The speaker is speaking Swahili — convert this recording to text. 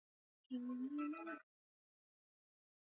mabadiliko makubwa yametokea katika teknolojia na masoko ya fedha